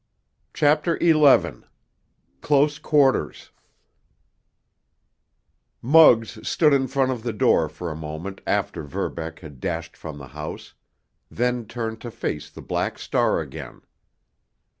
CHAPTER XI—CLOSE QUARTERS Muggs stood in front of the door for a moment after Verbeck had dashed from the house, then turned to face the Black Star again.